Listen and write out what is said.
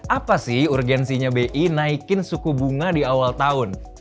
apa sih urgensinya bi naikin suku bunga di awal tahun